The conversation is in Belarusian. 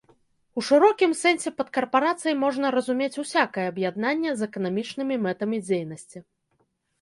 У шырокім сэнсе пад карпарацыяй можна разумець усякае аб'яднанне з эканамічнымі мэтамі дзейнасці.